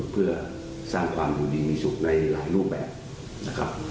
เพื่อสร้างความดีมีสุขในหลายรูปแบบนะครับ